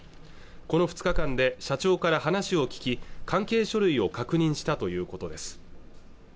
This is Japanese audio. この２日間で社長から話を聞き関係書類を確認したということです